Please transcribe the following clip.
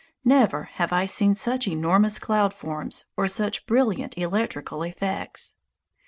Never have I seen such enormous cloud forms or such brilliant electrical effects.